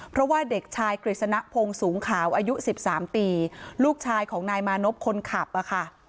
เพราะว่าเด็กชายกฤษณพงศ์สูงขาวอายุ๑๓ปีลูกชายของนายมานพคนขับอะค่ะ